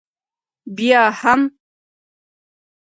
بیا هم؟